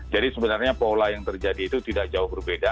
jadi sebenarnya pola yang terjadi itu tidak jauh berbeda